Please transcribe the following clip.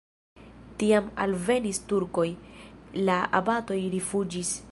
Tiam alvenis turkoj, la abatoj rifuĝis.